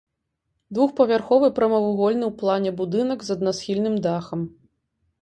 Двухпавярховы прамавугольны ў плане будынак з аднасхільным дахам.